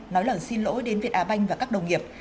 nói lời xin lỗi đến việt á banh và các đồng nghiệp